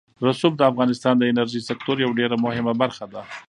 رسوب د افغانستان د انرژۍ سکتور یوه ډېره مهمه برخه ده.